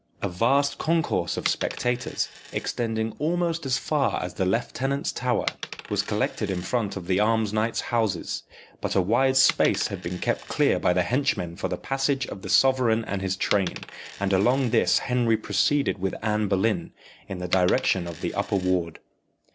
A vast concourse of spectators, extending almost as far as the Lieutenant's Tower, was collected in front of the alms knights' houses; but a wide space had been kept clear by the henchmen for the passage of the sovereign and his train, and along this Henry proceeded with Anne Boleyn, in the direction of the upper ward.